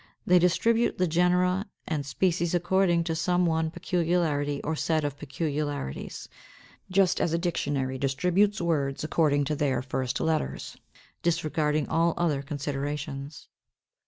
They distribute the genera and species according to some one peculiarity or set of peculiarities (just as a dictionary distributes words according to their first letters), disregarding all other considerations.